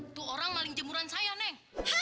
itu orang maling jemuran saya neng